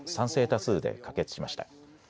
多数で可決しました。